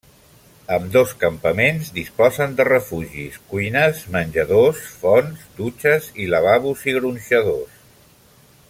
Ambdós campaments disposen de refugis, cuines, menjadors, fonts, dutxes i lavabos i gronxadors.